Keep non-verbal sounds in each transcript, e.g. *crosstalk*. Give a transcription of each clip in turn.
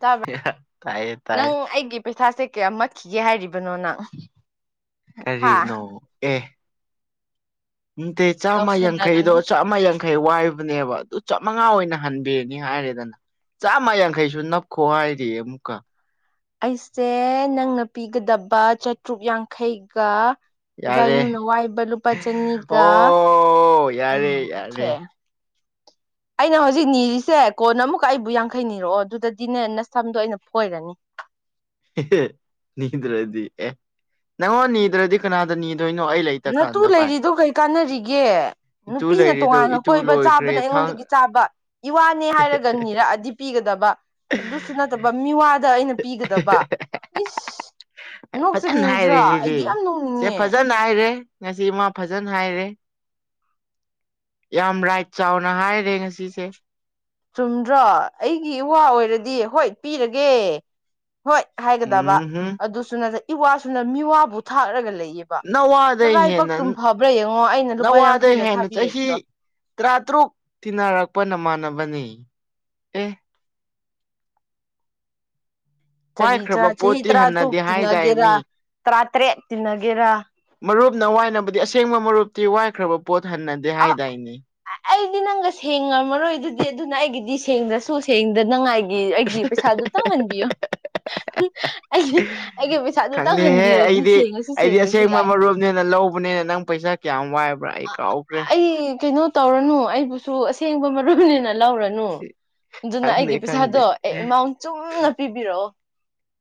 ꯇꯥꯕ꯭ꯔꯥ? ꯇꯥꯏꯌꯦ ꯅꯪ ꯇꯥꯏꯌꯦ ꯑꯩꯒꯤ ꯄꯩꯁꯥꯁꯦ ꯀꯌꯥꯝ ꯃꯠꯈꯤꯒꯦ ꯍꯥꯏꯔꯤꯕꯅꯣ ꯅꯪ꯫ ꯍꯥ ꯀꯔꯤꯅꯣ ꯑꯦ꯫ ꯅꯠꯇꯦ ꯆꯥꯝꯃ ꯇꯧꯁꯟꯅꯒꯅꯨ ꯌꯥꯡꯈꯩꯗꯣꯃ ꯑꯃ ꯌꯥꯡꯈꯩ ꯋꯥꯏꯕꯅꯦꯕ ꯑꯗꯨ ꯆꯃꯉꯥ ꯑꯣꯏꯅ ꯍꯟꯕꯤꯔꯅꯤ ꯍꯥꯏꯔꯦꯗꯅ꯫ ꯆꯥꯝꯃ ꯌꯥꯡꯈꯩꯁꯨ ꯅꯞꯈꯣ ꯍꯥꯏꯔꯤ ꯑꯃꯨꯛꯀ꯫ ꯑꯩꯁꯦ ꯅꯪꯅ ꯄꯤꯒꯗꯕ ꯆꯥꯇ꯭ꯔꯨꯛ ꯌꯥꯡꯈꯩꯒ, ꯌꯥꯔꯦ ꯑꯗꯥꯏꯅꯨꯅꯥ ꯋꯥꯏꯕ ꯂꯨꯄꯥ ꯆꯅꯤꯒ ꯑꯣ ꯌꯥꯔꯦ ꯎꯝ, ꯌꯥꯔꯦ ꯑꯩꯅ ꯍꯧꯖꯤꯛ ꯅꯤꯔꯤꯁꯦ ꯀꯣꯟꯅ ꯑꯃꯨꯛꯀ ꯑꯩꯕꯨ ꯌꯥꯡꯈꯩ ꯅꯤꯔꯛꯑꯣ ꯑꯗꯨꯗꯗꯤꯅꯦ ꯁꯝꯗꯣ ꯑꯩꯅ ꯐꯣꯏꯔꯅꯤ꯫ ꯑꯦ ꯅꯤꯗ꯭ꯔꯗꯤ ꯑꯦ ꯅꯪꯉꯣꯟ ꯅꯤꯗ꯭ꯔꯗꯤ ꯀꯅꯥꯗ ꯅꯤꯗꯣꯏꯅꯣ ꯑꯩ ꯂꯩ ꯅꯠꯇꯨ ꯂꯩꯔꯤꯗꯣ ꯀꯩ ꯀꯥꯟꯅꯔꯤꯒꯦ ꯏꯇꯨ ꯅꯨꯄꯤꯅ ꯂꯩꯔꯤꯗꯣ ꯇꯣꯉꯥꯟꯅ ꯏꯇꯨ ꯀꯣꯏꯕ ꯆꯥꯕꯅ ꯂꯣꯏꯈ꯭ꯔꯦ ꯊꯥꯡ ꯑꯩꯉꯣꯟꯗꯒꯤ ꯆꯥꯕ꯫ ꯏꯋꯥꯅꯦ ꯍꯥꯏꯔꯒ ꯅꯤꯔꯛꯑꯗꯤ ꯄꯤꯒꯗꯕ ꯑꯗꯨꯁꯨ ꯅꯠ ꯇꯕ ꯃꯤꯋꯥꯗ ꯑꯩꯅ ꯄꯤꯒꯗꯕ ꯏꯁ꯫ ꯅꯣꯛꯆꯅꯤꯡꯗ꯭ꯔꯥ ꯑꯩꯗꯤ ꯌꯥꯝ ꯅꯣꯛꯅꯤꯡꯉꯦ꯫ ꯅꯥꯏꯔꯦ ꯉꯁꯤ ꯃꯥ ꯐꯖꯅ ꯍꯥꯏꯔꯦ꯫ ꯌꯥꯝ ꯔꯥꯏꯠ ꯆꯥꯎꯅ ꯍꯥꯏꯔꯦ ꯉꯁꯤꯁꯦ꯫ ꯆꯨꯝꯗ꯭ꯔꯣ ꯑꯩꯒꯤ ꯏꯋꯥ ꯑꯣꯏꯔꯗꯤ ꯍꯣꯏ ꯄꯤꯔꯒꯦ꯫ ꯍꯣꯏ ꯍꯥꯏꯒꯗꯕ ꯎꯝꯍꯨꯝ ꯑꯗꯨꯁꯨ ꯅꯠꯇꯦ ꯏꯋꯥꯁꯨꯅ ꯃꯤꯋꯥꯕꯨ ꯊꯥꯛꯔꯒ ꯂꯩꯌꯦꯕ ꯕꯥ ꯅꯋꯥꯗꯩ ꯅꯔꯥꯏꯄꯛꯛꯇꯨꯝ ꯍꯦꯟꯅ ꯐꯕ꯭ꯔꯥ ꯌꯦꯡꯉꯣ ꯑꯩꯅ ꯂꯨꯄꯥ ꯌꯥꯡꯈꯩꯒ ꯊꯥꯕꯤꯔꯛꯏꯗꯣ ꯇꯔꯥ ꯇꯔꯨꯛ ꯊꯤꯟꯅꯔꯛꯄ ꯅꯃꯥꯟꯅꯕꯅꯦ ꯑꯦ ꯆꯔꯤ ꯆ ꯋꯥꯏꯈ꯭ꯔꯕ ꯆꯍꯤ ꯄꯣꯠꯇꯤ ꯇꯔꯥ ꯇꯨꯛ ꯍꯟꯅꯗꯦ ꯍꯥꯏꯗꯥꯏ ꯇꯤꯟꯅꯒꯦꯔꯥ ꯃꯤ ꯇꯔꯥ ꯇꯔꯦꯠ ꯇꯤꯟꯅꯒꯦꯔꯥ ꯃꯔꯨꯞꯅ ꯋꯥꯏꯅꯕꯗꯤ ꯑꯁꯦꯡꯕ ꯃꯔꯨꯞꯇꯤ ꯋꯥꯏꯈ꯭ꯔꯕ ꯄꯣꯠ ꯍꯟꯅꯗꯦ ꯍꯥꯏꯗꯥꯏꯅꯦ ꯑ ꯑꯩꯗꯤ ꯅꯪꯒ ꯁꯦꯡꯉꯝꯃꯔꯣꯏ ꯑꯗꯨꯗꯤ ꯑꯗꯨꯅ ꯑꯩꯒꯤꯗꯤ ꯁꯦꯡꯗꯔꯁꯨ ꯁꯦꯡꯗꯅꯉꯥꯏ ꯑꯦ ꯑꯩꯒꯤ ꯄꯩꯁꯥꯗꯨ ꯇꯪ ꯍꯟꯕꯤꯌꯣ ꯑꯩꯁ ꯑꯩꯒꯤ ꯄꯩꯁꯥꯗꯨꯇꯪ ꯈꯪꯗꯦꯍꯦ ꯍꯟꯕꯤꯔꯗꯤ ꯁꯦꯡꯉꯁꯨ ꯁꯦꯡꯗꯔꯁꯨ ꯌꯥꯏ ꯅꯦꯅ ꯂꯧꯕꯅꯦꯅ ꯅꯪ ꯄꯩꯁꯥ ꯀꯌꯥꯝ ꯋꯥꯏ ꯑ ꯑ ꯑꯩ ꯀꯩꯅꯣ ꯇꯧꯔꯅꯨ ꯑꯩꯕꯨꯁꯨ ꯑꯁꯦꯡꯕ ꯃꯔꯨꯅꯤꯅ ꯂꯧꯔꯅꯨ ꯅꯨ ꯑꯗꯨꯅ ꯈꯪꯗꯦ ꯑꯩꯒꯤ ꯈꯪꯗꯦ ꯄꯩꯁꯥꯗꯣ ꯑꯦ ꯑꯦꯃꯥꯎꯟ ꯆꯨꯝꯅ ꯄꯤꯕꯤꯔꯛꯑꯣ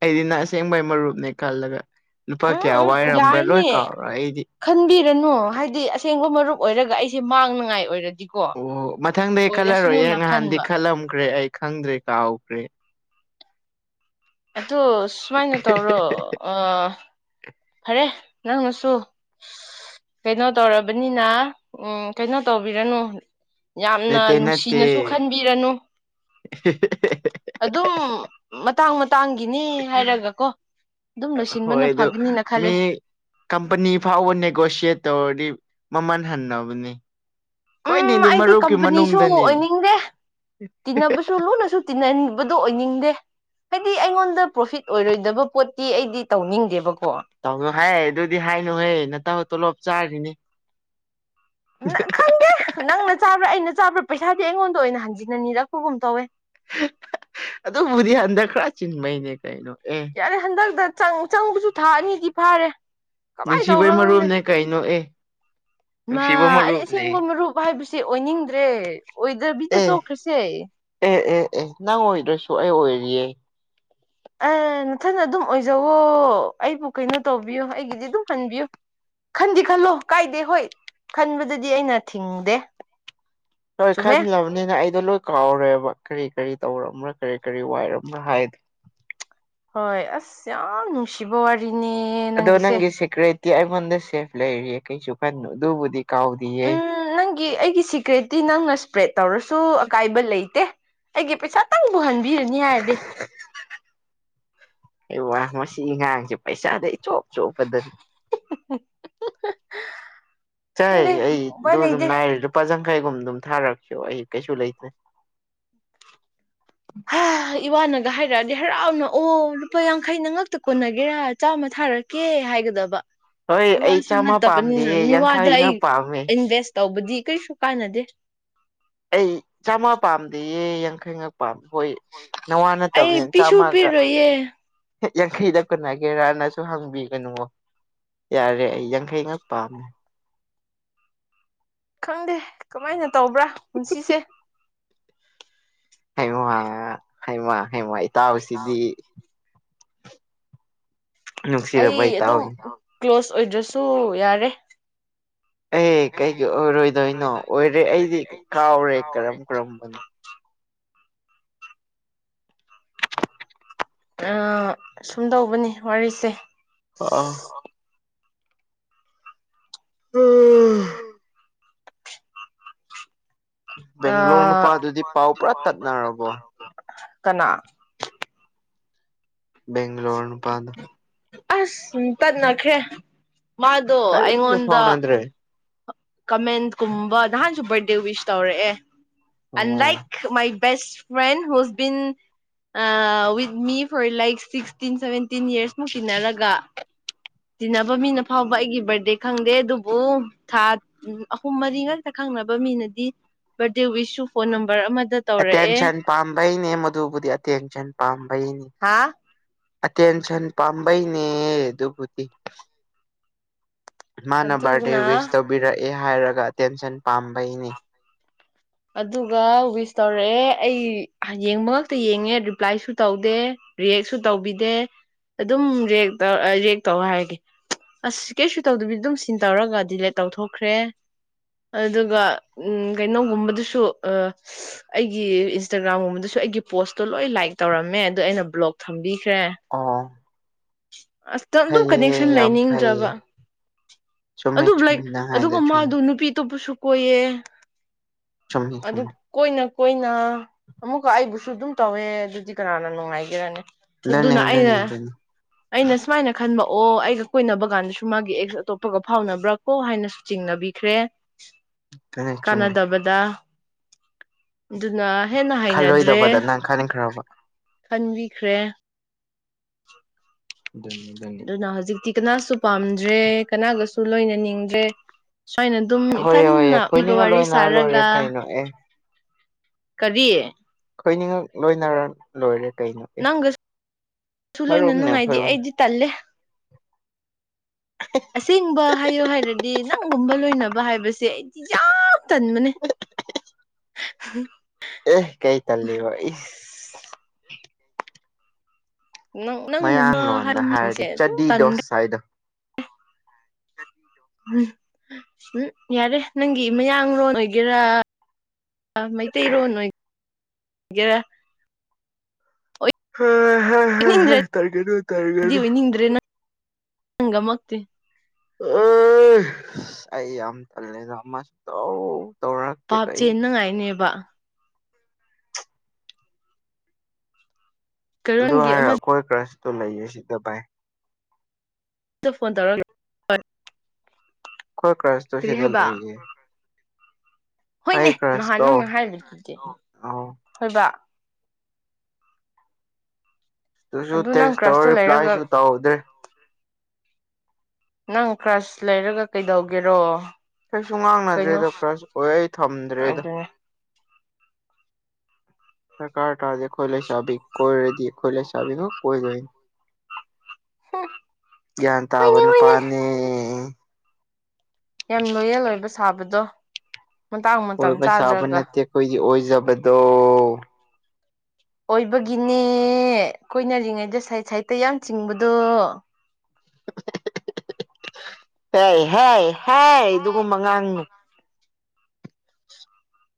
ꯑꯩꯗꯤ ꯅ ꯑꯁꯦꯡꯕꯩ ꯃꯔꯨꯞꯅꯦ ꯈꯜꯂꯒ ꯂꯨꯄꯥ ꯀꯌꯥ ꯎꯝ ꯎꯝ ꯋꯥꯏꯔꯝꯕ꯭ꯔꯥ ꯂꯣꯏ ꯌꯥꯔꯅꯤ ꯀꯥꯎꯔ ꯑꯩꯗꯤ ꯈꯟꯕꯤꯔꯅꯨ ꯍꯥꯏꯗꯤ ꯑꯁꯦꯡꯕ ꯃꯔꯨꯞ ꯑꯣꯏꯔꯒ ꯑꯩꯁꯦ ꯃꯥꯡꯅꯉꯥꯏ ꯑꯣꯏꯔꯗꯤ ꯑꯣ ꯃꯊꯪꯗ ꯈꯜꯂꯔꯣꯏꯍ ꯉꯍꯥꯟꯗꯤ ꯈꯟꯕ ꯈꯜꯂꯝꯈ꯭ꯔꯦ ꯑꯩ ꯈꯪꯗ꯭ꯔꯦ ꯀꯥꯎꯈ꯭ꯔꯦ ꯑꯗꯨ ꯁꯨꯃꯥꯏꯅ ꯇꯧꯔꯣ ꯑꯥ ꯐꯔꯦ ꯅꯪꯅꯁꯨ ꯀꯩꯅꯣ ꯇꯧꯔꯕꯅꯤꯅ ꯎꯝ ꯀꯩꯅꯣ ꯇꯧꯕꯤꯔꯅꯨ ꯌꯥꯝꯅ ꯅꯠꯇꯦ ꯅꯠꯇꯦ ꯅꯨꯡꯁꯤꯅꯁꯨ ꯈꯟꯕꯤꯔꯅꯨ ꯑꯗꯨꯝ ꯃꯇꯥꯡ ꯃꯇꯥꯡꯒꯤꯅꯤ ꯍꯥꯏꯔꯒꯀꯣ ꯑꯗꯨꯝ ꯂꯣꯏꯁꯤꯟꯕꯅ ꯍꯣꯏ ꯑꯗꯨ ꯐꯒꯅꯤꯅ ꯃꯤ ꯈꯜꯂꯦ ꯀꯝꯄꯅꯤ ꯐꯥꯎꯕ ꯅꯦꯒꯣꯁꯤꯌꯦꯠ ꯇꯧꯔꯗꯤ ꯃꯃꯜ ꯍꯟꯅꯕꯅꯤ ꯎꯝ ꯈꯣꯏꯅꯤꯗꯤ ꯑꯩꯗꯤ ꯃꯔꯨꯞꯀꯤ ꯀꯝꯄꯅꯤꯁꯨ ꯃꯅꯨꯡꯗꯅꯤ ꯑꯣꯏꯅꯤꯡꯗꯦ ꯇꯤꯟꯅꯕꯁꯨ ꯂꯨꯅꯁꯨ ꯇꯤꯟꯅꯅꯤꯟꯕꯗꯣ ꯑꯣꯏꯅꯤꯡꯗꯦ ꯍꯥꯏꯗꯤ ꯑꯩꯉꯣꯟꯗ ꯄ꯭ꯔꯣꯐꯤꯠ ꯑꯣꯏꯔꯣꯏꯗꯕ ꯄꯣꯠꯇꯤ ꯑꯩꯗꯤ ꯇꯧꯅꯤꯡꯗꯦꯕꯀꯣ ꯇꯧꯅ‌ꯣ ꯍꯥꯏ ꯑꯗꯨꯗꯤ ꯍꯥꯏꯅꯨꯍꯣꯏ ꯃꯇꯥꯎ ꯇꯣꯂꯣꯞ ꯆꯥꯔꯤꯅꯤ ꯅ ꯈꯪꯗꯦ ꯅꯪꯅ ꯆꯥꯕ꯭ꯔꯥ ꯑꯩꯅ ꯆꯥꯕ꯭ꯔꯥ ꯄꯩꯁꯥꯗꯤ ꯑꯩꯉꯣꯟꯗ ꯑꯣꯏꯅ ꯍꯟꯖꯤꯟꯅ ꯅꯤꯔꯛꯄꯒꯨꯝ ꯇꯧꯋꯦ ꯑꯗꯨꯕꯨꯗꯤ ꯍꯟꯗꯛ ꯈꯔ ꯆꯤꯟꯕꯩꯅꯦ ꯀꯩꯅꯣ ꯑꯦ ꯌꯥꯔꯦ ꯍꯟꯗꯛꯇ ꯆꯪ ꯆꯪꯕꯁꯨ ꯊꯥ ꯑꯅꯤꯗꯤ ꯐꯥꯔꯦ ꯀꯃꯥꯏꯅ ꯅꯤꯡꯁꯤꯕꯩ ꯇꯧꯕ꯭ꯔꯥ ꯈꯪꯗꯦ ꯃꯔꯨꯞꯅꯦ ꯀꯩꯅꯣ ꯑꯦ ꯃꯥ ꯅꯨꯡꯁꯤꯕ ꯑꯩ ꯃꯔꯨꯞꯅꯦ ꯑꯁꯦꯡꯕ ꯃꯔꯨꯞ ꯍꯥꯏꯕꯁꯦ ꯑꯣꯏꯅꯤꯡꯗ꯭ꯔꯦ ꯑꯣꯏꯗꯕꯤꯗ ꯑꯦ ꯇꯣꯛꯈ꯭ꯔꯁꯦ ꯑꯦ ꯑꯦ ꯑꯦ ꯅꯪ ꯑꯣꯏꯗ꯭ꯔꯁꯨ ꯑꯩ ꯑꯣꯏꯔꯤꯌꯦ ꯎꯝ ꯃꯊꯟꯗ ꯑꯗꯨꯝ ꯑꯣꯏꯖꯧꯋꯣ ꯑꯩꯕꯨ ꯀꯩꯅꯣ ꯇꯧꯕꯤꯌꯨ ꯑꯩꯒꯤꯗꯤ ꯑꯗꯨꯝ ꯍꯟꯕꯤꯌꯨ ꯈꯟꯗꯤ ꯈꯜꯂꯣ ꯀꯥꯏꯗꯦ ꯍꯣꯏ ꯈꯟꯕꯗꯗꯤ ꯑꯩꯅ ꯊꯤꯡꯗꯦ ꯍꯣꯏ ꯆꯨꯝꯃꯦ ꯈꯜꯂꯕꯅꯤꯅ ꯑꯩꯗꯣ ꯂꯣꯏ ꯀꯥꯎꯔꯦꯕ ꯀꯔꯤ ꯀꯔꯤ ꯇꯧꯔꯕ꯭ꯔꯥ ꯀꯔꯤ ꯀꯔꯤ ꯋꯥꯏꯔꯕ꯭ꯔꯥ ꯍꯥꯏꯗꯣ ꯍꯣꯏ ꯑꯁ ꯌꯥꯝ ꯅꯨꯡꯁꯤꯕ ꯋꯥꯔꯤꯅꯦ ꯑꯗꯣ ꯅꯪꯒꯤꯁꯦ ꯅꯪꯒꯤ ꯁꯦꯀ꯭ꯌꯨꯔꯤꯇꯤ ꯑꯩꯉꯣꯟꯗ ꯁꯦꯐ ꯂꯩꯔꯤꯌꯦ ꯀꯩꯁꯨ ꯀꯟꯅꯨ ꯑꯗꯨꯕꯨꯗꯤ ꯀꯥꯎꯗꯤꯌꯦ ꯒꯤ ꯑꯩꯒꯤ ꯁꯤꯀ꯭ꯔꯦꯠꯇꯤ ꯅꯪꯅ ꯏꯁꯄ꯭ꯔꯦꯗ ꯇꯧꯔꯁꯨ ꯑꯀꯥꯏꯕ ꯂꯩꯇꯦ ꯑꯩꯒꯤ ꯄꯩꯁꯥꯇꯪꯕꯨ ꯍꯟꯕꯤꯔꯅꯤ ꯍꯥꯏꯔꯗꯤ ꯑꯩ ꯋꯥ ꯃꯁꯤ ꯉꯥꯡꯁ ꯄꯩꯁꯥꯗ ꯏꯆꯣꯞ ꯆꯣꯄꯗ *unintelligible* ꯆꯥꯏ ꯈꯪꯗꯦ ꯑꯩ ꯎꯄꯥꯏ ꯗꯨꯗꯨꯝ ꯂꯩꯇꯦ ꯅꯥꯏꯔꯦ ꯂꯨꯄꯥ ꯆꯥꯡꯈꯩꯒꯨꯝ ꯗꯨꯝ ꯊꯥꯔꯛꯁꯣ ꯑꯩ ꯀꯩꯁꯨ ꯂꯩꯇꯦ ꯍꯥ *unintelligible* ꯏꯋꯥꯅꯒ ꯍꯥꯏꯔꯛꯑꯗꯤ ꯍꯔꯥꯎꯅ ꯑꯣ ꯂꯨꯄꯥ ꯌꯥꯡꯈꯩ ꯅꯪ ꯉꯛꯇ ꯀꯣꯟꯅꯒꯦꯔꯥ ꯆꯥꯝꯃ ꯊꯥꯔꯛ ꯀꯦ ꯍꯥꯏꯒꯗꯕ ꯍꯣꯏ ꯑꯩ ꯏꯋꯥꯁꯨ ꯆꯥꯝꯃ ꯅꯠꯇꯕꯅꯤꯅ ꯄꯥꯝꯗꯦꯌꯦ ꯃꯤꯋꯥꯗ ꯌꯥꯡꯈꯩ ꯑꯩ ꯉꯛ ꯄꯥꯝꯃꯦ ꯏꯟꯚꯦꯁ ꯇꯧꯕꯗꯤ ꯀꯩꯁꯨ ꯀꯥꯟꯅꯗꯦ ꯑꯩ ꯆꯥꯝꯃꯥ ꯄꯥꯝꯗꯦꯌꯦ ꯌꯥꯡꯈꯩ ꯉꯛ ꯄꯥꯝꯃꯤ ꯍꯣꯏ ꯅꯋꯥ ꯑꯩ ꯅꯠꯇꯕꯅꯦ ꯄꯤꯁꯨ ꯆꯥꯝꯃꯒ ꯄꯤꯔꯣꯏꯌꯦ ꯌꯥꯡꯈꯩꯗ ꯀꯣꯅꯒꯦꯔꯥꯅꯁꯨ ꯍꯪꯕꯤꯒꯅꯨꯉꯣ ꯌꯥꯔꯦ ꯑꯩ ꯌꯥꯡꯈꯩ ꯉꯥꯛ ꯄꯥꯝꯃꯦ ꯈꯪꯗꯦ ꯀꯃꯥꯏꯅ ꯇꯧꯕ꯭ꯔꯥ ꯄꯨꯟꯁꯤꯁꯦ꯫ ꯍꯩꯃ ꯍꯩꯃ ꯍꯩꯃ ꯏꯇꯥꯎꯁꯤꯗꯤ ꯅꯨꯡꯁꯤꯔꯕ ꯑꯩ ꯑꯗꯨꯝ ꯏꯇꯥꯎꯅꯤ ꯀ꯭ꯂꯣꯁ ꯑꯣꯏꯗ꯭ꯔꯁꯨ ꯌꯥꯔꯦ꯫ ꯑꯦ ꯀꯩꯒꯤ ꯑꯣꯏꯔꯣꯏꯗꯣꯏꯅꯣ ꯑꯣꯏꯔꯦ ꯑꯩꯗꯤ ꯀꯥꯎꯔꯦ ꯀꯔꯝ ꯀꯔꯝꯕꯅꯣ꯫ ꯑ ꯁꯨꯝ ꯗꯧꯕꯅꯤ ꯋꯥꯔꯤꯁꯦ *unintelligible* *unintelligible* ꯕꯦꯡꯒ꯭ꯂꯣꯔ ꯅꯨꯄꯥꯗꯨꯗꯤ ꯄꯥꯎ ꯄꯨꯔꯥ ꯇꯠꯅꯔꯕꯣ ꯀꯅꯥ ꯕꯦꯡꯒ꯭ꯂꯣꯔ ꯅꯨꯄꯥꯥꯗꯣ ꯑꯁ ꯌꯨꯡꯇꯠꯅꯈ꯭ꯔꯦ ꯃꯥꯗꯣ ꯀꯔꯤꯁꯨ ꯑꯩꯉꯣꯟꯗ ꯐꯥꯎꯅꯗ꯭ꯔꯦ ꯀꯃꯦꯟ ꯀꯨꯝꯕ ꯅꯍꯥꯟꯁꯨ ꯕꯥꯔꯠꯗꯦ ꯋꯤꯁ ꯇꯧꯔꯛꯑꯦ ꯑꯟ ꯑꯣ like my best friend ꯍꯨꯁ been uh with me for like sixteen seventeen ꯌꯔꯁꯃꯨꯛ ꯇꯤꯟꯅꯔꯒ ꯇꯤꯟꯅꯕ ꯃꯤꯅ ꯐꯥꯎꯕ ꯑꯩꯒꯤ ꯕꯥꯔꯗꯦ ꯈꯪꯗꯦ ꯑꯗꯨꯕꯨ ꯊꯥ ꯎꯝ ꯑꯍꯨꯝ ꯃꯔꯤ ꯉꯥꯛꯇ ꯈꯪꯅꯕ ꯃꯤꯅꯗꯤ ꯕꯥꯔꯗꯦ ꯋꯤꯁꯁꯨ ꯐꯣꯟ ꯅꯝꯕꯔ ꯑꯃꯗ ꯇꯧꯔꯛꯑꯦ ꯑꯦꯇꯦꯟꯁꯟ ꯄꯥꯝꯕꯩꯅꯦ ꯃꯗꯨꯕꯨꯗꯤ ꯑꯇꯦꯟꯁꯟ ꯄꯥꯝꯕꯩꯅꯤ꯫ ꯍꯥꯥ ꯑꯇꯦꯟꯁꯟ ꯄꯥꯝꯕꯩꯅꯦ ꯑꯗꯨꯕꯨꯗꯤ꯫ ꯃꯥꯅ ꯕꯥꯔꯗꯦ ꯑꯗꯨꯅ ꯋꯤꯁ ꯇꯧꯕꯤꯔꯛꯑꯦ ꯍꯥꯏꯔꯒ ꯑꯇꯦꯟꯁꯟ ꯄꯥꯝꯕꯩꯅꯤ꯫ ꯑꯗꯨꯒ ꯋꯤꯁ ꯇꯧꯔꯑꯦ ꯑꯩ ꯌꯦꯡꯕ ꯉꯛꯇ ꯌꯦꯡꯉꯦ ꯔꯤꯄ꯭ꯂꯥꯏꯁꯨ ꯇꯧꯗꯦ꯫ ꯔꯤꯌꯦꯛꯁꯨ ꯇꯧꯕꯤꯗꯦ ꯑꯗꯨꯝ ꯔꯤꯌꯦꯛ ꯇꯧ ꯔꯤꯌꯦꯛ ꯇꯧ ꯍꯥꯏꯒꯦ ꯑꯁ ꯀꯩꯁꯨ ꯇꯧꯗꯕꯤ ꯑꯗꯨꯝ ꯁꯤꯟ ꯇꯧꯔꯒ ꯗꯤꯂꯦꯠ ꯇꯧꯊꯣꯛꯈ꯭ꯔꯦ ꯑꯗꯨꯒ ꯎꯝ ꯀꯩꯅꯣꯒꯨꯝꯕꯗꯨꯁꯨ ꯑ ꯑꯩꯒꯤ ꯏꯟꯁꯇꯥꯒ꯭ꯔꯥꯝꯒꯨꯝꯕꯗꯁꯨ ꯑꯩꯒꯤ ꯄꯣꯁꯇꯣ ꯂꯣꯏ ꯂꯥꯏꯛ ꯇꯧꯔꯝꯃꯦ ꯑꯗꯨ ꯑꯩꯅ ꯕ꯭ꯂꯣꯛ ꯊꯝꯕꯤꯈ꯭ꯔꯦ꯫ ꯑꯣ ꯑꯁꯇ ꯗꯨꯝ ꯐꯩꯌꯦ ꯀꯅꯦꯛꯁꯟ ꯌꯥꯝ ꯐꯩꯌꯦ ꯂꯩꯅꯤꯡꯗ꯭ꯔꯕ꯫ ꯆꯨꯝꯃꯦ ꯑꯗꯨ ꯂꯥꯏꯛ ꯆꯨꯝꯃꯦ ꯅꯪ ꯍꯥꯏꯗꯣ ꯑꯗꯨꯒ ꯆꯨꯝꯃꯦ ꯃꯥꯗꯨ ꯅꯨꯄꯤ ꯑꯇꯣꯞꯄꯁꯨ ꯀꯣꯏꯌꯦ꯫ ꯆꯨꯝꯃꯦ ꯑꯗꯨ ꯆꯨꯝꯃꯦ ꯀꯣꯏꯅ ꯀꯣꯏꯅ ꯑꯃꯨꯛꯀ ꯑꯩꯕꯨꯁꯨ ꯑꯗꯨꯝ ꯇꯧꯋꯦ ꯑꯗꯨꯗꯤ ꯀꯅꯥꯅ ꯅꯨꯡꯉꯥꯏꯒꯦꯔꯅꯦ ꯑꯗꯨꯅꯦ ꯑꯗꯨꯅ ꯑꯗꯨꯅꯦ ꯑꯩꯅ ꯑꯗꯨꯅꯦ ꯑꯩꯅ ꯁꯨꯃꯥꯏꯅ ꯈꯟꯕ ꯑꯣ ꯑꯩꯒ ꯀꯣꯏꯅꯕ ꯀꯥꯟꯗꯁꯨ ꯃꯥꯒꯤ ꯑꯦꯛꯁ ꯑꯇꯣꯞꯄꯒ ꯐꯥꯎꯅꯕ꯭ꯔꯥ ꯀꯣ ꯍꯥꯏꯅꯁꯨ ꯆꯤꯡꯅꯕꯤꯈ꯭ꯔꯦ *inaudible* ꯆꯨꯝꯃꯦ ꯀꯥꯟꯅꯗꯕꯗ ꯗꯨꯅ ꯍꯦꯟꯅ ꯍꯩꯅꯗ꯭ꯔꯦ ꯈꯜꯂꯣꯏꯗꯕꯗ ꯅꯪ ꯈꯟꯈ꯭ꯔꯕ ꯈꯟꯕꯤꯈ꯭ꯔꯦ꯫ ꯑꯗꯨꯅꯤ ꯑꯗꯨꯅꯤ ꯑꯗꯨꯅ ꯍꯧꯖꯤꯛꯇꯤ ꯀꯅꯥꯁꯨ ꯄꯥꯝꯗ꯭ꯔꯦ ꯀꯅꯥꯒꯁꯨ ꯂꯣꯏꯅ ꯅꯤꯡꯗ꯭ꯔꯦ꯫ ꯁ꯭ꯋꯥꯏꯅ ꯗꯨꯝ ꯍꯣꯏ ꯍꯣꯏ ꯏꯊꯟꯅ ꯃꯤꯒ ꯑꯩꯈꯣꯏꯅꯤꯒ ꯋꯥꯔꯤ ꯂꯣꯏꯅꯔ ꯂꯣꯏꯔꯦ ꯁꯥꯔꯒ ꯀꯩꯅꯣ ꯑꯦ ꯀꯔꯤ ꯑꯩꯈꯣꯏꯅꯤꯉꯛ ꯂꯣꯏꯅꯔ ꯂꯣꯏꯔꯦ ꯀꯩꯅꯣ ꯑꯦ ꯅꯪꯒꯁꯨ ꯂꯣꯏꯅ ꯃꯔꯨꯞꯅꯦ ꯑꯈꯣꯏ ꯅꯨꯡꯉꯥꯏꯗꯤ ꯑꯍꯨꯝ ꯑꯩꯗꯤ ꯇꯜꯂꯦ ꯑꯁꯦꯡꯕ ꯍꯥꯏꯌꯣ ꯍꯥꯏꯔꯗꯤ ꯅꯪꯒꯨꯝꯕ ꯂꯣꯏꯅꯕ ꯍꯥꯏꯕꯁꯦ ꯑꯩ ꯌꯥꯝ ꯇꯟꯕꯅꯦ ꯑꯦ ꯀꯩ ꯇꯜꯂꯤꯕ ꯏꯁ? ꯅꯪ ꯅꯪꯒꯨꯝꯕ ꯍꯥꯏꯕ ꯃꯌꯥꯡꯂꯣꯟꯗ ꯃꯤꯁꯤꯡꯁꯦ ꯍꯥꯏꯔꯗꯤ ꯑꯗꯨꯝ ꯆꯗꯤ ꯇꯟꯈ꯭ꯔꯦ ꯗꯣꯁ ꯍꯥꯏꯗꯣ꯫ ꯎꯝ ꯎꯝ ꯌꯥꯔꯦ ꯅꯪꯒꯤ ꯃꯌꯥꯡꯔꯣꯟ ꯑꯣꯏꯒꯦꯔꯥ ꯃꯩꯇꯩꯔꯣꯟ ꯑꯣꯏ-ꯒꯦꯔꯥ꯫ ꯍ ꯍꯥ ꯍꯥ ꯑꯣꯏꯅꯤꯡꯗ꯭ꯔꯦꯗꯤ ꯇꯟꯒꯅꯨ-ꯇꯟꯒꯅꯨ꯫ ꯑꯣꯏꯅꯤꯡꯗ꯭ꯔꯦ ꯅꯪꯒꯃꯛꯇꯤ꯫ ꯑꯦꯁ ꯑꯩ ꯌꯥꯝ ꯇꯜꯂꯦꯗ ꯑꯃꯁꯨꯇꯧ ꯄꯥꯞ ꯆꯦꯟꯅꯉꯥꯏꯅꯦꯕ꯫ ꯑꯗꯨ ꯀꯩꯔꯣꯟꯒꯤ ꯍꯥꯏꯔ ꯑꯃꯗ ꯑꯈꯣꯏ ꯀ꯭ꯔꯁꯇꯣ ꯂꯩꯌꯦ ꯁꯤꯗ ꯚꯥꯏ꯫ ꯑꯗꯨ ꯐꯣꯟ ꯇꯧꯔꯛꯂ ꯑꯈꯣꯏ ꯀ꯭ꯔꯥꯁꯇꯣ ꯀꯔꯤ ꯁꯤꯗ ꯍꯥꯏꯕ ꯂꯩꯌꯦ꯫ ꯑꯩ ꯍꯣꯏꯅꯦ ꯅꯍꯥꯟ ꯀ꯭ꯔꯁꯇꯣ ꯅꯪꯅ ꯍꯥꯏꯔꯤꯗꯨꯗꯤ ꯑꯧ ꯍꯣꯏꯕ꯫ ꯑꯗꯨꯨꯁꯨ ꯑꯗꯨ ꯅꯪ ꯇꯦꯛꯁ ꯇꯧꯔ ꯀ꯭ꯔꯁꯇꯣ ꯂꯩꯔꯒ ꯔꯤꯄ꯭ꯂꯥꯏꯁꯨ ꯇꯧꯗꯦ꯫ ꯅꯪ ꯀ꯭ꯔꯁ ꯂꯩꯔꯒ ꯀꯩꯗꯧꯒꯦꯔꯣ꯫ ꯀꯩꯁꯨ ꯀꯩꯅꯣ ꯉꯥꯡꯅꯗ꯭ꯔꯦꯗ ꯀ꯭ꯔꯁ ꯑꯣꯏ ꯑꯩ ꯊꯝꯗ꯭ꯔꯦꯗ꯫ ꯑꯗꯨꯅꯦ ꯗꯔꯀꯥꯔꯇꯥꯗꯦ ꯑꯈꯣꯏ ꯂꯩꯁꯥꯕꯤꯅꯤ ꯀꯣꯏꯔꯗꯤ ꯑꯈꯣꯏ ꯂꯩꯁꯥꯕꯤꯒꯨꯝ ꯀꯣꯏꯗꯣꯏꯅꯤ꯫ ꯒ꯭ꯌꯥꯟ ꯇꯥꯕ ꯍꯣꯏꯅꯦ ꯍꯣꯏꯅꯦ ꯅꯨꯄꯥꯅꯦ꯫ ꯌꯥꯝ ꯂꯣꯌꯦꯜ ꯑꯣꯏꯕ ꯁꯥꯕꯗꯣ ꯃꯇꯥꯡ ꯃꯇꯝ ꯆꯥꯗ꯭ꯔꯒ꯫ ꯈꯣꯏꯗꯤ ꯑꯣꯏꯖꯕꯗꯣ꯫ ꯑꯣꯏꯕꯒꯤꯅꯦ ꯀꯣꯏꯅꯔꯤꯉꯩꯗ ꯁꯥꯏꯠ ꯁꯥꯏꯠꯇ ꯌꯥꯝ ꯆꯤꯡꯕꯗꯣ꯫ ꯍꯦꯏ ꯍꯥꯏ ꯍꯥꯏ ꯑꯗꯨꯒꯨꯝꯕ ꯉꯥꯡꯅꯨ꯫ *inaudible*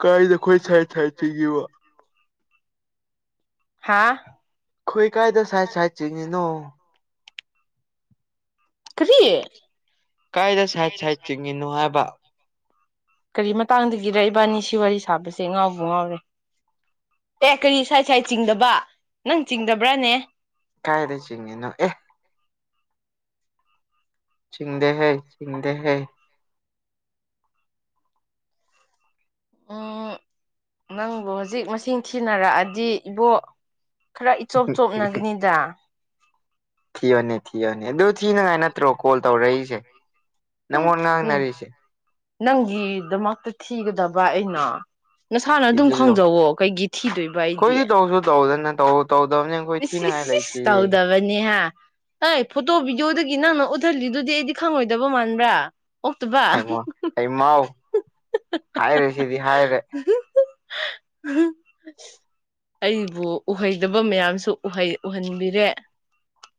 ꯀꯥꯏꯗ ꯈꯣꯏ ꯁꯥꯏꯠ ꯁꯥꯏꯠ ꯆꯤꯉꯤꯕꯣ꯫ ꯍꯥꯥ ꯈꯣꯏ ꯀꯥꯏꯗ ꯁꯥꯏꯠ ꯁꯥꯏꯠ ꯆꯤꯡꯉꯤꯅꯣ꯫ ꯀꯔꯤ ꯀꯥꯏꯗ ꯁꯥꯏꯠ ꯁꯥꯏꯠ ꯆꯤꯡꯉꯤꯅꯣ ꯍꯥꯏꯕ꯫ ꯀꯔꯤ ꯃꯇꯥꯡꯗꯒꯤꯔ ꯏꯕꯥꯅꯤ ꯁꯤ ꯋꯥꯔꯤ ꯁꯥꯕꯁꯦ ꯉꯥꯎꯕꯨ ꯉꯥꯎꯔꯦ꯫ ꯑꯦ ꯀꯔꯤ ꯁꯥꯏꯠ ꯁꯥꯏꯠ ꯆꯤꯡꯗꯕ ꯅꯪ ꯆꯤꯡꯗꯕ꯭ꯔꯥꯅꯦ꯫ ꯀꯥꯏꯗꯩ ꯆꯤꯡꯉꯤꯅꯣ ꯑꯦ꯫ ꯆꯤꯡꯗꯦ ꯍꯦ ꯆꯤꯡꯗꯦ ꯍꯦ꯫ ꯎꯝ ꯅꯪꯕꯨ ꯍꯨꯖꯤꯛ ꯃꯁꯤꯡ ꯊꯤꯅꯔꯛꯑꯗꯤ ꯏꯕꯣ꯫ ꯈꯔ ꯏꯆꯣꯞ ꯆꯣꯞꯅꯒꯅꯤꯗ꯫ ꯊꯤꯌꯣꯅꯦ ꯊꯤꯌꯣꯅꯦ ꯑꯗꯨ ꯊꯤꯅꯉꯥꯏ ꯅꯠꯇ꯭ꯔꯣ ꯀꯣꯜ ꯇꯧꯔꯛꯏꯁꯦ ꯎꯝ ꯅꯉꯣꯟ ꯎꯝ ꯉꯥꯡꯅꯔꯤꯁꯦ꯫ ꯅꯪꯒꯤꯗꯃꯛꯇ ꯊꯤꯒꯗꯕ ꯑꯩꯅ꯫ ꯅꯁꯥꯅ ꯑꯗꯨꯝ ꯊꯤꯖꯤꯜꯂꯣ ꯈꯪꯖꯧꯋꯣ ꯀꯩꯒꯤ ꯊꯤꯗꯣꯏꯕ ꯑꯩꯗꯤ꯫ ꯑꯩꯈꯣꯏꯗꯤ ꯇꯧꯁꯨ ꯇꯧꯗꯅꯦ ꯇꯧ ꯇꯧꯗꯧꯅꯤ꯫ ꯏꯁ -ꯏꯁ-ꯏꯁ ꯇꯥꯎꯗꯕ ꯕꯅꯤꯍꯥ ꯍꯏ ꯐꯣꯇꯣ ꯚꯤꯗꯤꯑꯣꯗꯒꯤ ꯅꯪꯅ ꯎꯠꯊꯍꯂꯤꯗꯨꯗꯤ ꯑꯩꯗꯤ ꯈꯪꯉꯣꯏꯗꯕ ꯃꯥꯟꯕ꯭ꯔꯥ꯫ ꯑꯣꯛꯇꯕꯥ꯫ ꯍꯩꯃꯥꯥ ꯍꯩꯃꯥꯎ ꯍꯥꯏꯔꯦ ꯁꯤꯗꯤ ꯍꯥꯏꯔꯦ꯫ ꯎꯍꯨ ꯑꯩꯕꯨ ꯎꯍꯩꯗꯕ ꯃꯌꯥꯝꯁꯨ ꯎꯍꯩ ꯎꯍꯟꯕꯤꯔꯦ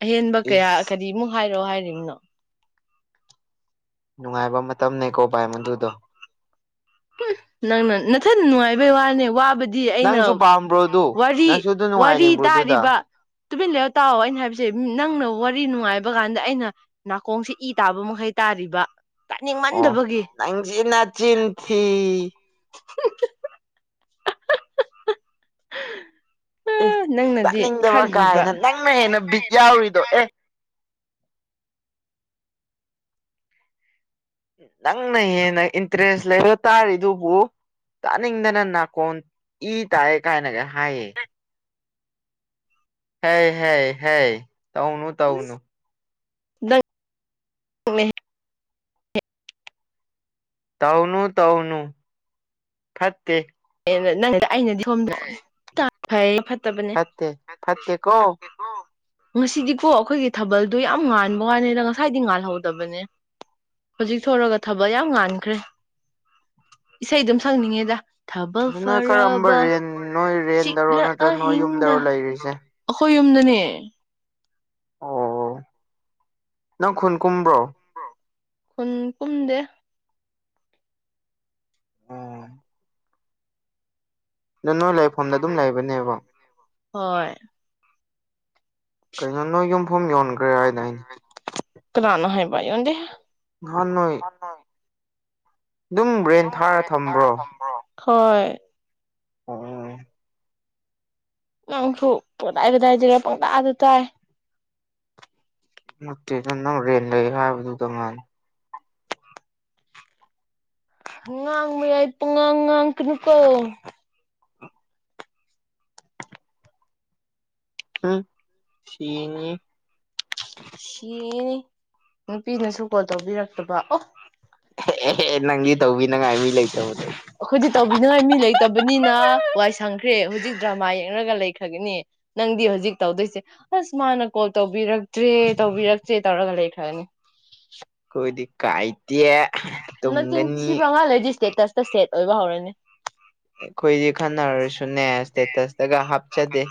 ꯑꯍꯦꯟꯕ ꯀꯌꯥ ꯏꯁ ꯀꯔꯤꯃꯨꯛ ꯍꯥꯏꯔꯛꯑꯣ ꯍꯥꯏꯔꯤꯕꯅꯣ꯫ ꯅꯨꯡꯉꯥꯏꯕ ꯃꯇꯝꯅꯦꯀꯣ ꯚꯥꯏ ꯃꯗꯨꯗꯣ꯫ ꯎꯝ ꯅꯪꯅ ꯅꯊꯟ ꯅꯨꯡꯉꯥꯏꯕꯩ ꯋꯥꯅꯦ ꯋꯥꯕꯗꯤ ꯗꯤ ꯑꯩꯅ ꯅꯪꯁꯨ ꯄꯥꯝꯕ꯭ꯔꯣ ꯑꯗꯨ ꯋꯥꯔꯤ ꯅꯪꯁꯨ ꯑꯗꯨ ꯋꯥꯔꯤ ꯅꯨꯡꯉꯥꯏꯅꯤꯡꯕ꯭ꯔꯣ ꯑꯗꯨꯗ ꯇꯥꯔꯤꯕ ꯇꯨꯃꯤꯟ ꯂꯩꯌꯣ ꯇꯥꯎ ꯑꯩꯅ ꯍꯥꯏꯕꯁꯦ ꯅꯪꯅ ꯋꯥꯔꯤ ꯅꯨꯡꯉꯥꯏꯕꯀꯥꯟꯗ ꯑꯩꯅ ꯅꯥꯀꯣꯡꯁꯤ ꯏ ꯇꯥꯕ ꯃꯈꯩ ꯇꯥꯔꯤꯕ ꯇꯥꯅꯤꯡꯃꯟꯗꯕꯒꯤ ꯅꯪꯖꯤ ꯅꯆꯤꯟ ꯊꯤ *unintelligible* ꯏꯁ ꯑꯥ ꯅꯪꯅꯗꯤ ꯇꯥꯅꯤꯡꯗꯕ ꯈꯜꯂꯤꯕ ꯀꯥꯏꯅ ꯅꯪꯅ ꯍꯦꯟꯅ ꯕꯤꯠ ꯌꯥꯎꯔꯤꯗꯣ ꯑꯦ ꯅꯪꯅ ꯍꯦꯟꯅ ꯏꯟꯇ꯭ꯔꯦꯁ ꯂꯩꯔꯒ ꯇꯥꯔꯤꯗꯨꯕꯨ ꯇꯥꯅꯤꯡꯗꯅ ꯅꯥꯀꯣꯟ ꯏ ꯇꯥꯏ ꯀꯥꯏꯅꯒ ꯍꯥꯏꯌꯦ ꯍꯦ ꯍꯦ ꯍꯦ ꯇꯧꯅꯨ ꯇꯧꯅꯨ ꯅꯪ ꯇꯧꯅꯨ ꯇꯧꯅꯨ ꯐꯠꯇꯦ *unintelligible* ꯅꯪ ꯑꯩꯅꯗꯤ ꯁꯣꯝꯗ ꯐꯩ ꯐꯠꯇꯕꯅꯦ ꯐꯠꯇꯦ ꯐꯠꯇꯦ ꯐꯠꯇꯦꯀꯣ ꯐꯠꯇꯦ ꯑꯣ ꯉꯁꯤꯗꯤꯀꯣ ꯑꯩꯈꯣꯏꯒꯤ ꯊꯥꯕꯜꯗꯣ ꯌꯥꯝ ꯉꯥꯟꯕ ꯋꯥꯅꯤꯗ ꯉꯁꯥꯏꯗꯤ ꯉꯥꯜꯍꯧꯗꯕꯅꯦ ꯍꯧꯖꯤꯛ ꯊꯣꯔꯒ ꯊꯕꯛ ꯌꯥꯝ ꯉꯥꯟꯈ꯭ꯔꯦ ꯏꯁꯩ ꯗꯨꯝ ꯁꯛꯅꯤꯡꯉꯤꯗ ꯊꯕꯜ ꯅꯣꯏ ꯀꯔꯝꯕ ꯐꯔꯕ ꯔꯦꯟ ꯅꯣꯏ ꯔꯦꯟꯗꯔꯣ ꯆꯤꯛꯂꯥ ꯅꯠꯇ꯭ꯔ ꯅꯣꯏ ꯑꯍꯤꯡꯗ ꯌꯨꯝꯗꯔꯣ ꯂꯩꯔꯤꯁꯦ ꯑꯈꯣꯏ ꯌꯨꯝꯗꯅꯦ ꯑꯣ ꯅꯪ ꯈꯨꯟ ꯀꯨꯝꯕ꯭ꯔꯣ ꯈꯨꯟ ꯀꯨꯝꯗꯦ ꯑꯗꯣ ꯅꯥ ꯅꯣꯏ ꯂꯩꯐꯝꯗ ꯑꯗꯨꯝ ꯂꯩꯕꯅꯦꯕ ꯍꯣꯏ ꯀꯩꯅꯣ ꯅꯣ ꯌꯨꯝꯐꯝ ꯌꯣꯟꯒ꯭ꯔꯦ ꯍꯥꯏꯗꯥꯏꯅꯦ ꯀꯅꯥꯅ ꯍꯥꯏꯕ ꯌꯣꯟꯗꯦꯍꯦ ꯉꯍꯥꯟ ꯅꯣꯏ ꯑꯗꯨꯝ ꯕ꯭ꯔꯦꯟ ꯊꯥꯔ ꯊꯝꯕ꯭ꯔꯣ ꯍꯣꯏ ꯑꯣ ꯅꯪꯁꯨ ꯄꯣꯗꯥꯏ ꯀꯗꯥꯥꯏꯗꯩꯔ ꯄꯪꯇꯥꯗ ꯇꯥꯏ ꯅꯠꯇꯦꯗ ꯅꯪ ꯔꯦꯟ ꯂꯩ ꯍꯥꯏꯕꯗꯨꯗ ꯉꯥꯟ ꯉꯥꯡ ꯌꯥꯏ ꯄꯨꯡꯉꯥꯡ ꯉꯥꯡ ꯀꯥꯅꯨꯀꯣ ꯎꯝ ꯁꯤꯅꯤ ꯁꯤꯅꯤ ꯅꯨꯄꯤꯅꯁꯨ ꯀꯣꯜ ꯇꯧꯕꯤꯔꯛꯇꯕ ꯑꯣ ꯑꯦ ꯅꯪꯗꯤ ꯇꯧꯕꯤꯅꯉꯥꯏ ꯃꯤ ꯂꯩꯇꯕꯗꯣ ꯑꯈꯣꯏꯗꯤ ꯇꯧꯕꯤꯅꯤꯉꯥꯏ ꯃꯤ ꯂꯩꯇꯥꯕꯅꯤꯅ ꯋꯥꯏ ꯁꯪꯈ꯭ꯔꯦ ꯍꯨꯖꯤꯛ ꯗ꯭ꯔꯃꯥ ꯌꯦꯡꯔꯒ ꯂꯩꯈ꯭ꯔꯥꯒꯅꯤ ꯅꯪꯗꯤ ꯍꯨꯖꯤꯛ ꯇꯧꯗꯣꯏꯁꯦ ꯑꯁ ꯃꯥꯅ ꯀꯣꯜ ꯇꯧꯕꯤꯔꯛꯇ꯭ꯔꯦ ꯇꯧꯕꯤꯔꯛꯇ꯭ꯔꯦ ꯇꯧꯔꯒ ꯂꯩꯈ꯭ꯔꯥꯅꯤ ꯀꯣꯏꯗꯤ ꯀꯥꯏꯇꯦ ꯅꯆꯤꯟ ꯊꯤꯕ ꯉꯥꯍ ꯂꯩꯗꯤ ꯁ꯭ꯇꯦꯇꯁꯇꯥ ꯁꯦꯠ ꯑꯣꯏꯕ ꯍꯧꯔꯅꯤ ꯑꯩꯈꯣꯏꯗꯤ ꯈꯟꯅꯔꯁꯨꯅꯦ ꯁ꯭ꯇꯦꯇꯁꯇꯥꯒ ꯍꯥꯞꯆꯗꯦ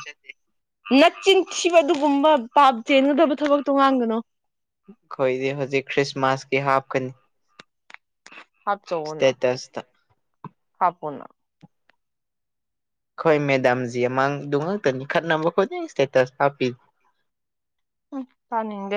ꯅꯆꯤꯟ ꯊꯤꯕ ꯑꯗꯨꯒꯨꯝꯕ ꯄꯥꯞ ꯆꯦꯟꯒꯗꯕ ꯊꯕꯛꯇꯣ ꯉꯥꯡꯒꯅꯣ ꯈꯣꯏꯗꯤ ꯍꯨꯖꯤꯛ ꯈ꯭ꯔꯤꯁꯃꯥꯁꯀꯤ ꯍꯥꯞꯀꯥꯅꯤ ꯁ꯭ꯇꯦꯇꯁꯇꯥ ꯍꯥꯞꯄꯨꯅ ꯈꯣꯏ ꯃꯦꯗꯥꯝꯖꯤ ꯑꯃꯥꯡꯗꯨ ꯉꯛꯇꯥꯅꯤ ꯈꯠꯅꯕ ꯈꯨꯗꯤꯡ ꯁ꯭ꯇꯦꯇꯁ ꯍꯥꯞꯄꯤ ꯎꯝ ꯇꯥꯅꯤꯡꯗꯦ